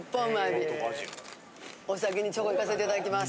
お先にチョコいかせていただきます。